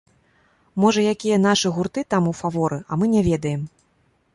Можа якія нашы гурты там у фаворы, а мы не ведаем?